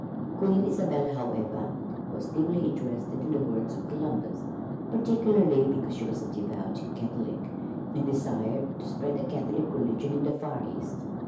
Queen Isabella, however, was deeply interested in the words of Columbus, particularly because she was a devout Catholic, and desired to spread the Catholic religion in the Far East.